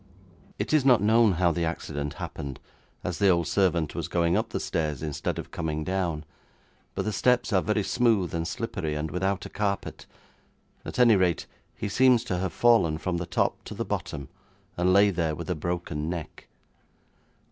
It is not known how the accident happened, as the old servant was going up the stairs instead of coming down, but the steps are very smooth and slippery, and without a carpet; at any rate, he seems to have fallen from the top to the bottom, and lay there with a broken neck.